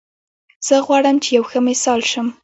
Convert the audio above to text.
زه غواړم چې یو ښه مثال شم